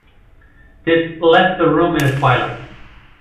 This left the room in a twilight.